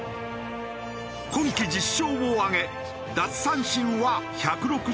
今季１０勝を挙げ奪三振は１６７。